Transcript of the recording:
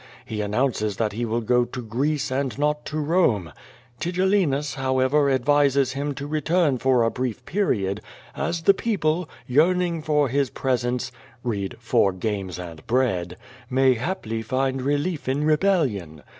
He announces that he will go to Greece and not to llomc. Tigellinus, however, advises liim to return for a brief period, as the people, yearning for his presence (read "for games and bread"), may haply find relief in rebellion.